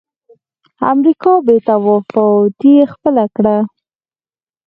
امریکا بې تفاوتي خپله کړه.